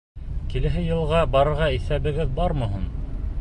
— Киләһе йылға барырға иҫәбегеҙ бармы һуң?